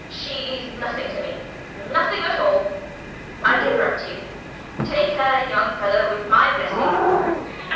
She's nothing to me nothing at all! I give her up to you. Take her, young fellow, with my blessing!